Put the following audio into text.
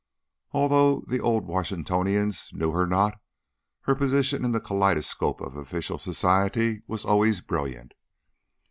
Although the Old Washingtonians knew her not, her position in the kaleidoscope of official society was always brilliant.